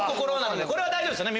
これは大丈夫ですよね